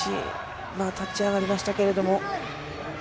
立ち上がりましたけれども。